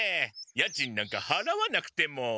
家賃なんかはらわなくても。